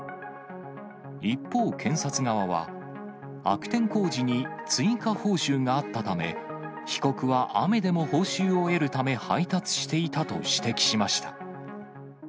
一方、検察側は、悪天候時に追加報酬があったため、被告は雨でも報酬を得るため配達していたと指摘しました。